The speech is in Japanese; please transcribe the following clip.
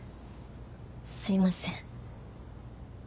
すいません。